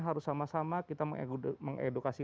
harus sama sama kita mengedukasi